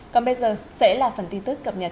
còn bây giờ sẽ là phần tin tức cập nhật